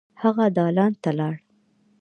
هغه دالان ته لاړ.